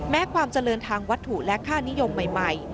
ความเจริญทางวัตถุและค่านิยมใหม่